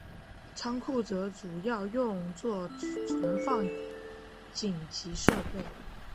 仓库则主要用作存放紧急设备。